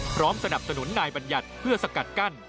พร้อมสนับสนุนนายบรรยัตรเพื่อสกัดกั้น